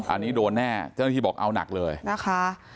อันนี้โดนแน่เจ้าหน้าที่บอกเอาหนักเลยนะคะ